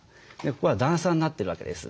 ここは段差になってるわけです。